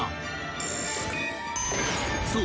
［そう。